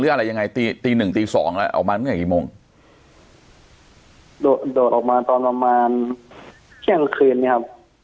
อะไรยังไงตีตีหนึ่งตีสองแล้วออกมาเมื่อกี่โมงโดดโดดออกมาตอนประมาณเที่ยงคืนเนี้ยครับ